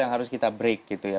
yang harus kita break gitu ya